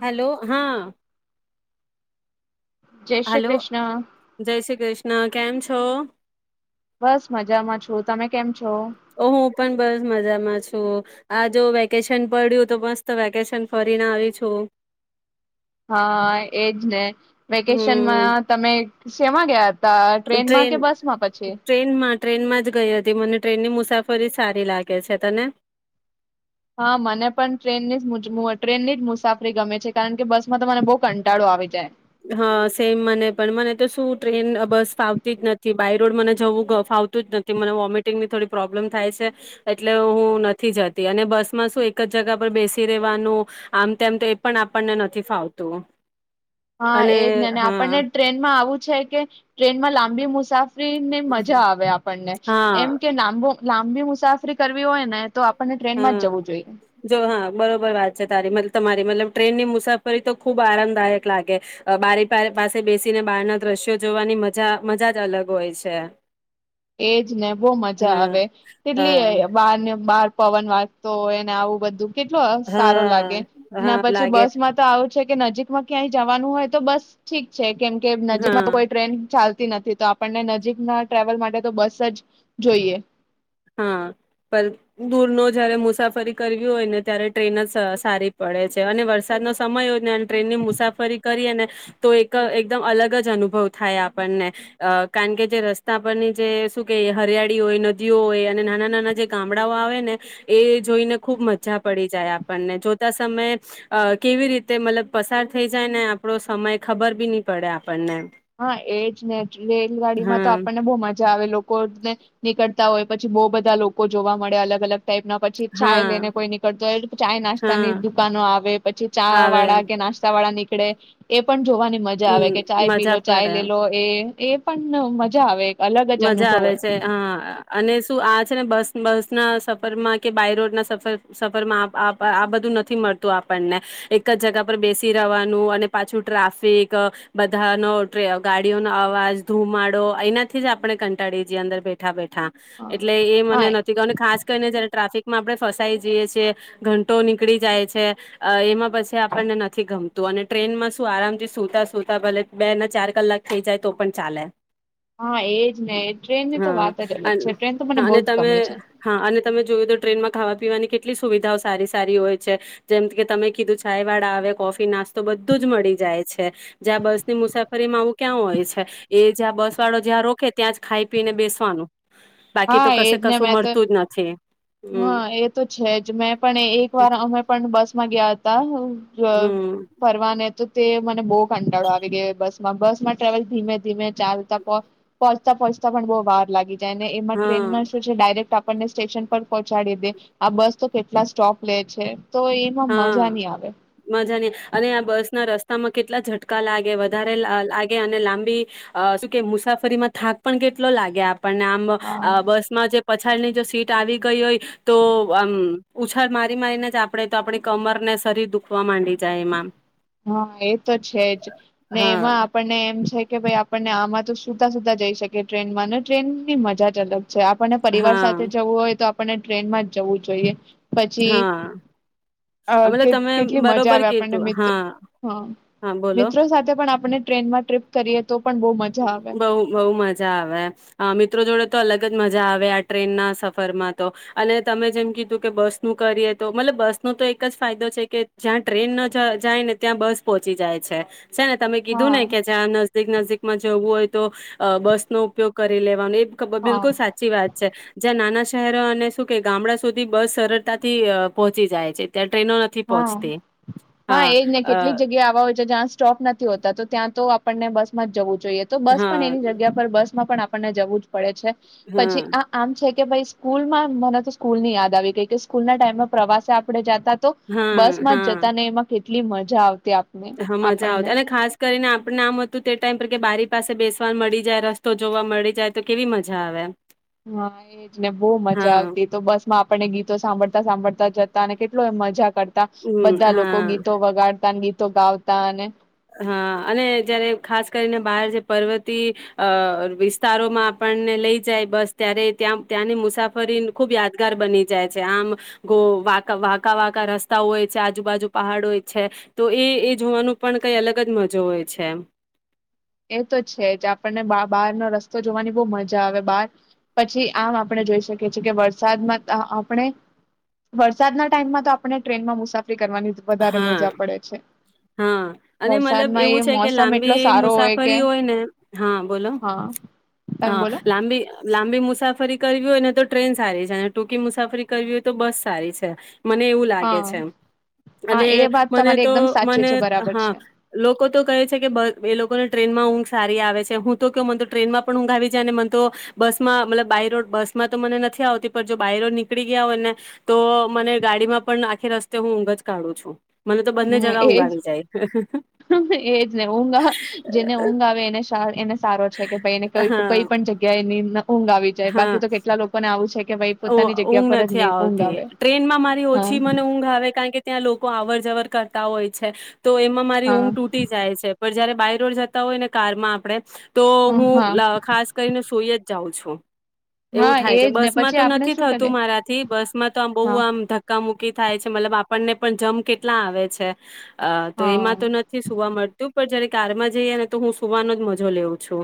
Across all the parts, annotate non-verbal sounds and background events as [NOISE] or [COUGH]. Hello, હા. જય Shri hello Krishna. જય શ્રી કૃષ્ણ કેમ છો? બસ મજામાં છુ. તમે કેમ છો? ઓ હું પણ બસ મજામાં છું. આ જો વેકેશન પડ્યું તો મસ્ત વેકેશન ફરીને આવી છું. હા, એ જ ને વેકેશનમાં તમે શેમા ગયાતા? ટ્રેન-ટ્રેનમાં ટ્રેનમાં જ ગઈ હતી. મને ટ્રેનની મુસાફ થોડી સારી લાગે છે તને? હા મને પણ ટ્રેનની જ ટ્રેનની જ મુજ મુસાફરી ગમે છે કારણ કે, બસ માં તો મને બહુ કંટાળો આવી જાય. હા સેમ મને પણ મને તો શું ટ્રેન અ બસ ફાવતી જ નથી બાય રોડ મને જવું ફાવતું જ નથી. મને વોમિટિંગની થોડી પ્રોબ્લેમ થાય છે એટલે હું નથી જતી અને બસમાં શું એક જ જગા પર બેસી રહેેવાનું આમ તેમ તો એ પણ આપણને નથી ફાવતું. હા અને એજ ને, ને આપણને હા ટ્રેનમાં આવું છે કે ટ્રેનમાં લાંબી મુસી સાફ [UNINTELLIGIBLE] ને મજા આવે આપણને હા એમ કે લાંબો લાંબી મુસાફરી કરવી હોય ને તો આપને ટ્રેનમાં જ હા જવું જોઈએ. જો હા બરોબર વાત છે તારી મ તમારી મતલબ ટ્રેનની મુસાફરી તો ખૂબ આરામદાયક લાગે. બારી પાહે પાસે બેસીને બહાર ના દ્રશ્યો જોવાની મજા મજા જ અલગ હોય છે. એજ ને બહુ મજા હા આવે હા કેટલી બાર ને બાર પવન વાગતો હોય ને આવું બધું કેટલો સારો હા લાગે હા ના પછી લાગે બસ માં તો આવું જ છે કે નજીકમાં ક્યાંય જાવાનું હોય તો બસ ઠીક છે. કેમ કે નજીકમાં હા તો કોઈ ટ્રેન ચાલ કે નથી તો આપણને નજીકમાં ટ્રાવેલ માટે તો બસ જ જોઈએ. હા પણ દૂરનો જયારે મુસાફરી કરવી હોય ને ત્યારે ટ્રેન જ સ સારી પડે છે અને વરસાદનો સમય હોય અને ટ્રેનની મુસાફરી કરીએ ને તો એક એકદમ અલગ જ અનુભવ થાય આપણને અ કારણ કે જે રસ્તા પરની જે શું કે હરિયાળી હોય નજીક હોય અને નાના નાના જે ગામડાઓ આવે ને એ જોઈને ખૂબ મજા પડી જાય આપણને જોતા સમય અ કેવી રીતે મતલબ પસાર થઈ જાય ને આપડો સમય ખબર બી ની પડે આપ હ એજ ને રેલગાડી માં તો હા આપણને બહુ મજા આવે લોક કોને નીકળતા હોય પછી બહુ બધા લોકો જોવા મળે અલગ અલગ ટાઇપના પછી ચાય હા લઈને કોઈ નીકળતો હોય ચાય નાસ્તાની હા દુકાનો આવે પછી ચા આવે વાળા કે નાસ્તાવાળા નીક પણે એ પણ જોવાની મજા આવે હમ કે ચાય મજા પીલો ચાય પડે લેલો એ એ એ પન મજા આવે. અલગ જ મજા અનુભવ આવે હોય છે હા અને શું આ છે ને બસ બસ ના સફરમાં કે બાય રોડ ના સફર સફરમાં આ આ આ બધું નથી મળતું આપણને એક જ જગા પર બેસી રવાનું અને પાછું ટ્રાફિક અ બધાનો ગાડીઓનો અવાજ ધુમાડો અહીંના થી જ આપણે કંટાળી જઈએ અંદર બેઠા બે ઠા એટલે એ હા મને નથી ગ અને ખાસ કરીને જયારે ટ્રાફિક માં આપણે ફસાઈ જઈએ છીએ. ઘંટો નીકળી જાય છે અ એમાં પછી આપણને નથી ગમતું અને ટ્રેનમાં શું આરામથી સુતા સુતા ભલે બે ના ચાર કલાક થઈ જાય તો પણ ચાલે. હ એજ ને ટ્રેન ની તો હા વાત જ અલગ અન છે. ટ્રેન તો મને બોજ ગમે છે. જોવે તો ટ્રેનમાં ખાવા પીવાની કેટલી સુવિધાઓ સારી સારી હોય છે. જેમ કે તમે કીધું ચાય વાળા આવે કોફી નાસ્તો બધું જ મળી જાય છે. જ્યાં બસની મુસાફરીમાં આવું ક્યાં હોય છે એ જ્યાં બસ વાળો જ્યાં રોકે ત્યાં જ ખાઈ પી ને બેસવાનું. બાકી હા તો એજ કશે ને કશું મેં તો મળતું જ નથી હ હમ એ તો છે જ મેં પણ એક વાર અમે પણ બસ માં ગયા તા [INAUDIBLE] ગ હમ ફરવાને તો તે મને બો કંટાળો આવી ગયો બસમાં બસ માં ટ્રાવેલ ધીમે ધીમે ચાલતા પોંચતા પોંચતા પણ બો વાર લાગી જાય ને હા ટ્રેનમાં શું છે ડાયરેક્ટ આપ આપણને સ્ટેશન પર પહોંચાડી દે આ બસ તો કેટલા સ્ટોપ લે છે. તો એમાં મજા હા નહી આવે મજાની અને આ બસ ના રસ સ્તામાં કેટલા ઝટકા લાગે વધારે લાગે અને લાંબી અ શું કે મુસાફરીમાં થાક પણ કેટલો લાગે આપ પણને આમ હા અ બસ માં જે પછી પછાળ ની જો સીટ આવી ગઈ હોય તો આમ ઉછાળ મારી મારીને જ આપણેે આપણી કમર ને શરીર દુખવા માંડી જાય એમાં હા એ તો છે જ ને હા એમાં આપણને એમ છે કે ભાઈ આપણને આમાં તો સુદા સુધા જઈ શકી ટ્રેનમાં ને ટ્રેન ની મજા જ અલગ આપણને પરિવાર હા સાથે જવું હોય તો આપને ટ્રેનમાં જવું જોઈએ. પછી હા અ મતલબ તમે કેટલી મજા બરોબર કીધું આવે. હા હા બોલો મિત્રો સાથે પણ આપણે ટ્રેનમાં ટ્રીપ કરીએ તો પણ બહુ મજા આવે બઉ બહુ મજા આવે મિત્રો જોડે તો અલગ જ મજા આવે આ ટ્રેન ના સફરમાં તો અને તમે જેમ કીધું કે બસ નું કરીએ તો મતલબ બસ નો તો એક જ ફાયદો છે કે જ્યાં ટ્રેન ન જાય ને ત્યાં બસ પોહોંચી જાય છે. છે ને તમે કીધું ને હા કે જે આ નજીદીક નજીદીક માં જવું હોય તો, બસ નો ઉપયોગ કરી લેવાનો એ હા બિલકુલ સાચી વાત છે. જ્યાં નાના શહેરો અને શું કે ગામડા સુધી બસ સરળતાથી પહોંચી જાય છે ત હા, હા એજ ને અ કેટલીક જગ્યા આવા હોય છે જ્યાં સ્ટોપ નથી હોતા તો ત્યાં તો આપણને બસ જવું જોઈએ તો બસ પણ હા એની જગ્યા પર બસ માં પણ આપ આપણને જવું જ પડે છે. હા પછી આ આમ છે કે ભાઈ સ્કૂલ માં મને તો સ્કૂલ ની યાદ આવી ગઈ કે સ્કૂલ ના ટાઈમમાં પ્રવાસે આપણે જતા તો, હા બસમાં હા જતા ને એમાં એટલી મજા આવતી. આપને હા મજા આપણને આવતી અને ખાસ કરીને આપણે આમ હતું તે ટાઈમ પર કે બારી પાસે બેસવા મળી જાય રસ્તો જોવા મળી જાય તો કેવી મજા આવે. હા એટને બહુ મજા હા આવતી તો બસ માં આપણને ગીતો સાંભળતા સાંભળતા જતા અને કેટલ મજા કરતા, હમ બધા લોકો હા ગીતો વગાડતા તો ગાવતા અને હા અને જયારે ખાસ કરીને બહાર જે પર્વતી, અ વિસ્તારોમાં આપણને લઈ જાય બસ ત્યારે ત્યાં ત્યાંની મુસાફરી ખુબ યાદગાર બની જાય છે, આમ વાકાવાકા રસ્તાઓ હોય છે આજુબાજુ પહાડો હોય છે, તો એ એ જોવાનું પણ કઈ અલગ જ મજો હોય છે એમ. એ તો છે જ આપણને બા બહારનો રસ્તો જોવાની બહુ મજા આવે, બાર પછી આમ આપણે જોઈ શકીએ છીએ કે વર્ષ વરસાદમાં તા આપણે વરસાદના ટાઈમમાં તો આપણે ટ્રેનમાં મુસા ફરી કરવાની વધારે હા મજા પડે છે. હા અને વરસાદમાં એ મોસમ એટલો સારો હોય કે રી હોયને હા બોલો હા તમે હા બોલો લાંબી લાંબી મુસાફરી કરવી હોય ને તો ટ્રેન સારી સે. અને ટૂંકી મુસાફરી કરવી હોય તો બસ સારી સે. મને એવું હા લાગે છે એમ. હા અને એ વાત મને તમારી તો એકદમ સાચી મને છે બરાબર હા છે લોકો તો કહે છે બ કે એ લોકોને ટ્રેન માં ઊંઘ સારી આવે છે. હું તો કેઉ મન તો ટ્રેનમાં પણ ઊંઘ આવી જાય અને મન તો બસ માં મતલબ બાય રોડ બસમાં તો મને નથી આવતી પણ જો બાયરોડ નીકળી ગયા હોય ને તો મને ગાડીમાં પણ આખી રસ્તે હું ઊંઘ જ કાઢું છું. મને તો બંને હમ્મ જગા ઊંઘ એજ, આવી એજ‌ ને ઊંઘ અહ જેને જાય ઊંઘ આવે એને સા એને સારો છે કે ભાઈ એને ક કઈ હા પણ જગ્યા નીન ઊંઘ આવી જાય બાકી હા તો કેટલા લોકો ને આવું છે કે ભાઈ ઊ પોતાની જગ્યા ઊંઘ પર જ નથી ની ઊંઘ આવતી, આવે ટ્રેનમાં મારી હા ઓછી મને ઊંઘ આવે કારણ કે ત્યાં લોકો આવર જવર કર તા હોય છે તો એમાં મારી હા ઊંઘ તૂટી જાય છે પણ જયારે બાય રોડ જતા હોય ને કારમાં આપડણે તો હા હું હા લ ખાસ કરીને સોઇજ જાઉ છુ. હા એજ ને પછી તો આપણે નથી શું કરીએ થતું મારાથી બસ માં તો આમ બહુ હા આમ ધક્કા મુુકી થાય છે. ને મતલબ આપણને પણ જમ કેટલા આવે છે. અ તો હા એમાં તો નથી સુવા મળતું. જયારે કારમાં જઈએ ને તો હું સુવાનો જ મજો લઉં છું.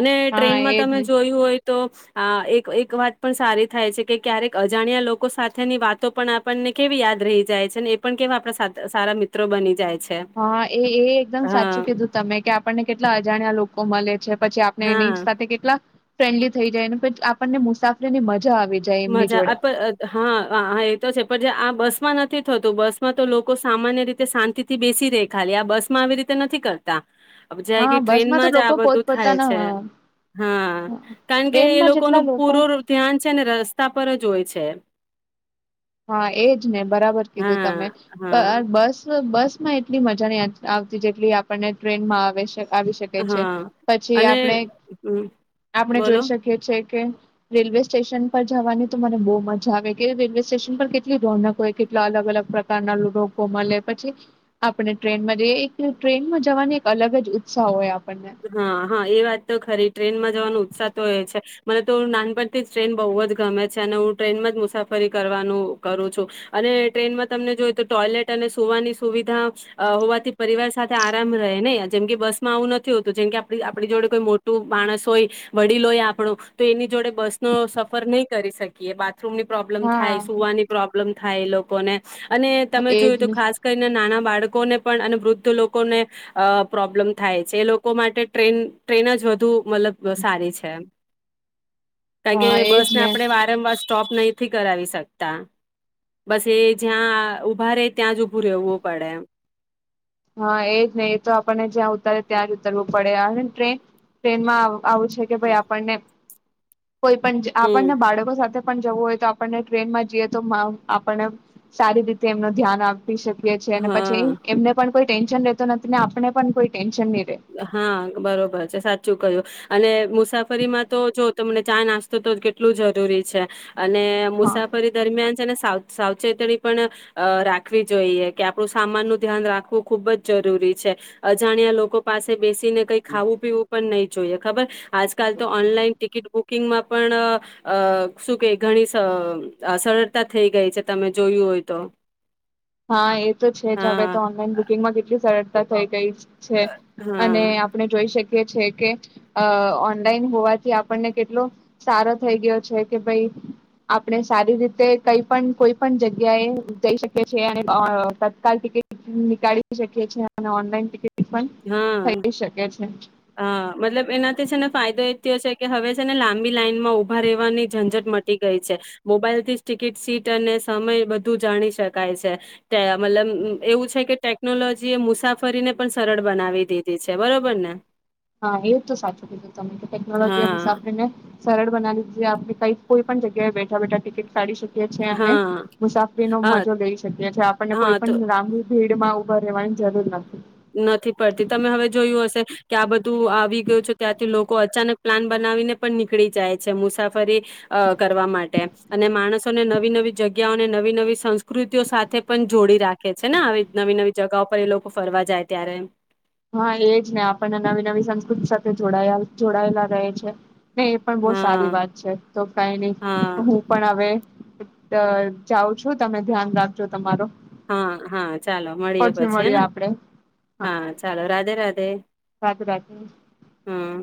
અને હા ટ્રેનમાં એજ તમે ને જોયું હોય તો અ એક એક વાત પણ સારી થાય છે કે ક્યારેક અજાણ્યા લોકો સાથેની વાતો પણ આપણને કેવી યાદ રહી જાય છે, ને એ પણ કેવા આપણા સારા મિત્રો બની જાય છે. હા એ એ એકદમ હા સાચું કીધું તમે કે આપણને કેટલા અજાણ્યા લોકો કો મલે છે. પછી આપણે એની હા. સાથે કેટલા ફ્રેન્ડલી થઈ જાય ને પણ આપણને મુસાફરી ની મજા આવી જાય એમની મજા જોડે. અ પર હ હ એ તો છે પણ જે આ બસ માં નથી થતું બસમાં તો લોકો સામાન્ય રીતે શાંતિથી બેસી રહે ખાલી આ બસમાં આવી રીતે નથી કરતા. જાય કે હા ટ્રેન બસમાં માં તો જ લોકો આ બધું થાય પોતપોતાના છે. હા હા કારણ કે એ ટ્રેનમાં લોકો ન જેટલા પૂરો ધ્યાન છે ને રસ જોય છે. હા એજ ને બરાબર કીધું તમે હા પ હા બસ બસ હા એટલી મજા નહીં આ આવતી જેટલી આપણને ટ્રેન માં આવે છે. આવી શકે છે હા પછી અને હમ આપણે-આપણે બોલો જોઈ શકીએ છે કે રેલવે સ્ટેશન પર જવાની તો મને બહુ મજા આવે કેવું રેલવે સ્ટેશન પર કેટલી રોનક હોય કેટલા અલગ અલગ પ્રકારના લો લોકો મલે પછી આપણે ટ્રેનમાં જઈએ એક દિવસ ટ્રેનમાં જવાની એક અલગ જ ઉત્સાહ હોય. આપણને હા-હા એ વાત તો ખરી ટ્રેનમાં જવાનો ઉત્સાહ તો એ છે મને તો નાનપણથી જ ટ્રેન બહુ જ ગમે છે અને હું ટ્રેનમાં જ મુસાફરી કરવાનું કરું છું અને ટ્રેનમાં તમને જોઈ તો ટોયલેટ અને સુવાની સુવિધા અહ હોવાથી પરિવાર સાથે આરામ રહે ને જેમ કે બસ માં આવું ન થયું જેમ કે આપ આપણી જોડે કોઈ મોટું માણસ હોય વડીલ હોય આપણો તો એની જોડે બસ નો સફર નહીં કરી શકીએ. બા થરૂમની પ્રોબ્લેમ થાય હા સુવાની પ્રોબ્મ પ્રોબ્લમ થાય એ લો કો ને અને તમે એજ જોયું તો ને ખાસ કરીને નાના બાળકોને પણ અને વૃદ્ધ લોકોને અહ પ્રોબ્લેમ થાય છે. એ લોક લોકો માટે ટ્રેન-ટ્રેન જ વધુ મલબ સારી છે એમ. કારણ કે હા એજ બસ ને આપણે વારંવાર સ્ટોપ નહીંથી કરાવી શકતા બસ એ જ્યાં ઊભા રે ત્યાં જ ઊભું રહેવું પડે એમ. હા એજ નહીં તો આપણને જ્યાં ઉતારે ત્યાં જ ઉતરવું પડે અને ટ્રેન-ટ્રેનમાં. આવું છે કે ભાઈ આપણને કોઈ પણ જ આપણને હમ બાળકો સાથે પણ જવું હોય તો આપણને ટ્રેનમાં જઈએ તો આપણને સારી રીતે એમનું ધ્યાન આપ પી શકીએ છીએ અને હા પછી એમને કોઈ ટેન્શન રહેતો નથી ને આપણને પણ કોઈ ટેન્શન ર હા બરોબર છે સાચું કહ્યું. અને મુસાફરીમાં તો જો તમને ચા નાસ્તો તો કેટલું જરૂરી છે. અને હા મુસાફરી દરમિયાન છેને સાવ સાવચેતણી પણ અહ રાખવી જોઈએ કે આપણું સામાન નું ધ્યાન રાખવું ખુબ જ જરૂરી છે. અજાણ્યા લોકો પાસે બેસ સીને કંઈ ખાવું પીવું પણ નહીં. જોઈએ ખબર આજકાલ તો ઓનલાઈન ટિકિટ બુક કિંગમાં પણ અહ શું કેય ઘણી સ અહ સરળતા થઈ ગઈ છે તમે જોયું હોય તો. હા એ તો છે જ હવે હા તો ઓનલાઈન બુકિંગમાં કેટલી સરળ તા થઈ ગઈ. છે અને હા આપણે જોઈ શકીએ કે ઓનલાઈન હોવાથી આપણને કેટલો સારો થઈ ગયો છે કે ભાઈ આપણે સારી રીતે કઈ પણ કોઈ પણ જગ્યા એ જઈ શકીએ છે તત્કાલ ટિકિટ નીકળી શકી છે અને ઓનલાઈન ટિકિટ પણ હા થઈ શકે છે હા મતલબ એનાથી છે ને ફાયદો એ થયોશે કે હવે છે ને લાંબી લાઈનમાં ઉભા રહેવાની ઝંઝટ મટી ગઈ છે મોબાઈલ થી જ ટિકિટ સીટ અને સમય બધું જાણી શકાય છે મતલબ એવું છે કે ટેકનોલોજી એ મુસાફરીને પણ સરળ બનાવી દીધ હા એવું તો સાચું કીધું તમે ટેકનોલોજી એ હા મુસાફ ને સરળ બનાવી છે આપણે કઈક કોઈ પણ જગ્યાએ બેઠા બેઠા ટિકિટ કાઢી શકીએ અને હા મુસાફરીનો હા મજો લઈ શકીએી આપને હા કોઈ તો પણ લાબી ભીડ માં બવા જરૂર નથી. નથી પડતી તમે હવે જોયું હશે કે આ બધું આવી ગયું છો ત્યાંથી લોકો અચાનક પ્લાન બનાવીને પણ નીકળી જાય છે મુસાફરી અ કરવા માટે અને માણસોને નવી નવી જગ્યાઓને નવી નવી સંસ્કૃતિઓ સાથે પણ જોડી રાખે. છે ને આવી નવી નવી જગાઓ. એ લોકો ફરવા. જાય ત્યારે હા એજ ને આપણને નવી નવી સંસ્કૃતિ સાથે જોડ જોડાયે રહે છે. એ પણ બહુ સારી હા વાત છે તો કઈ હા નહી હું પણ હવે જાવ છું તમે ધ્યાન રાખજો તમારો હા હા ચાલો મળીએ પછી મળીએ હેને આપડે હા ચાલો રા રાઘે રાધે રાધે રાધે હમ